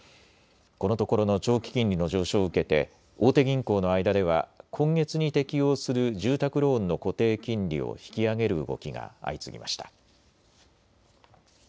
このところの長期金利の上昇を受けて大手銀行の間では今月に適用する住宅ローンの固定金利を引き上げる動きが相次ぎました。